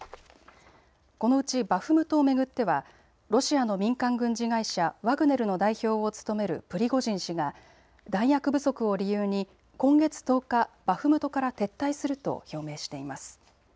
このうちバフムトを巡ってはロシアの民間軍事会社、ワグネルの代表を務めるプリゴジン氏が弾薬不足を理由に今月１０日、バフムトから撤退すると表明しています。